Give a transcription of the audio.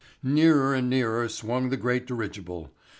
Nearer and nearer swung the great dirigible.